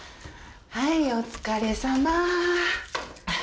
はいお疲れさま。